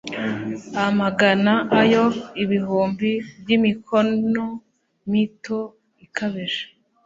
amagana - oya, ibihumbi! - by'imikono mito ibakikije.